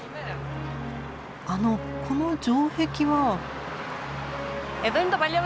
あのこの城壁は。